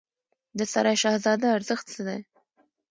د سرای شهزاده ارزښت څه دی؟